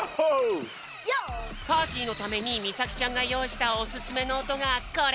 パーティーのためにみさきちゃんがよういしたオススメのおとがこれ！